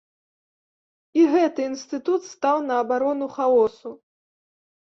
І гэты інстытут стаў на абарону хаосу!